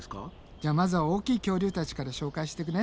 じゃあまずは大きい恐竜たちから紹介してくね。